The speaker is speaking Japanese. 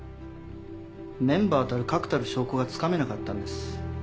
メンバーたる確たる証拠がつかめなかったんです。